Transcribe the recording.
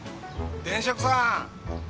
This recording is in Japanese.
・電飾さん！